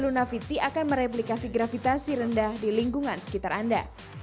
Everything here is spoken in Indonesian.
lunafiti akan mereplikasi gravitasi rendah di lingkungan sekitar anda